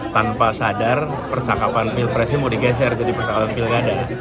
tanpa sadar percakapan pilpres ini mau digeser jadi percakapan pilgada